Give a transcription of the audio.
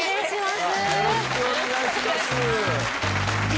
よろしくお願いします